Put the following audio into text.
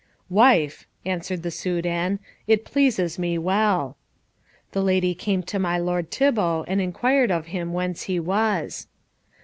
"Wife," answered the Soudan, "it pleases me well." The lady came to my lord Thibault, and inquired of him whence he was.